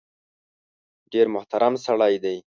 ډېر محترم سړی دی .